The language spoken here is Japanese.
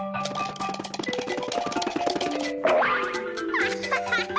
アハハハ！